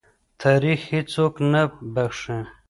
تاریخ هېڅوک نه بخښي.